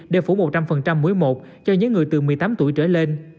để phủ một trăm linh muối một cho những người từ một mươi tám tuổi trở lên